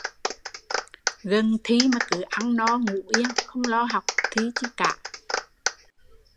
Gần thi mà cứ ăn no ngủ yên, không lo học thi